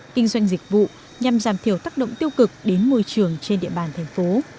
kinh doanh dịch vụ nhằm giảm thiểu tác động tiêu cực đến môi trường trên địa bàn tp